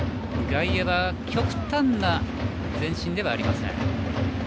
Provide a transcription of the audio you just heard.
外野は、極端な前進ではありません。